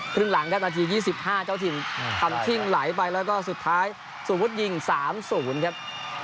ครึ่งหลังครับนาที๒๕เจ้าถิ่นทำทิ้งไหลไปแล้วก็สุดท้ายสมมุติยิง๓๐ครับ